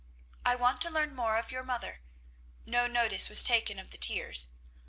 "I want to learn more of your mother," no notice was taken of the tears.